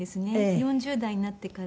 ４０代になってから。